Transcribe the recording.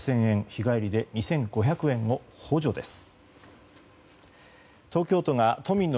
日帰りで２５００円の補助です。